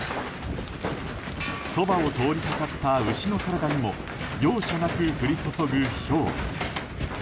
そばを通りかかった牛の体にも容赦なく降り注ぐ、ひょう。